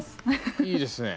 いいですね。